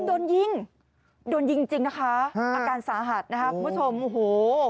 โอ้โฮ